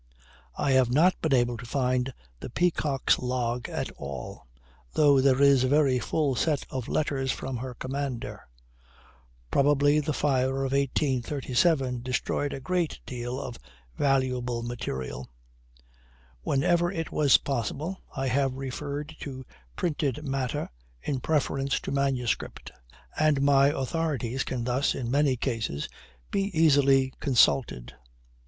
I have not been able to find the Peacock's log at all, though there is a very full set of letters from her commander. Probably the fire of 1837 destroyed a great deal of valuable material. When ever it was possible I have referred to printed matter in preference to manuscript, and my authorities can thus, in most cases, be easily consulted.